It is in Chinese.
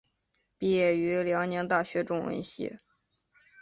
毕业于辽宁大学中文系。